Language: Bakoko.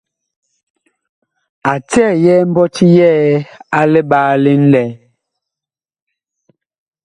A cɛyɛɛ mbɔti yɛɛ a liɓaalí ŋlɛɛ.